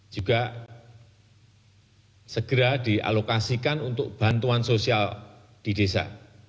juga segera dialokasikan untuk bantuan sosial di desa